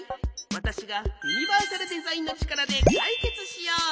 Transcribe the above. わたしがユニバーサルデザインのちからでかいけつしよう。